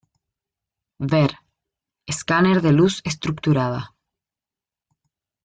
Ver: Escáner de luz estructurada.